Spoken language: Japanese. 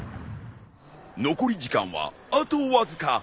残り時間はあとわずか。